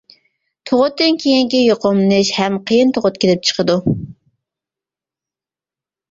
تۇغۇتتىن كېيىنكى يۇقۇملىنىش ھەم قىيىن تۇغۇت كېلىپ چىقىدۇ.